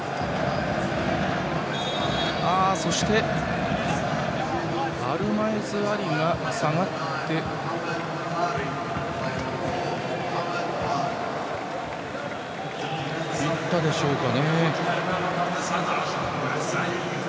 そしてアルマエズ・アリが下がったでしょうか。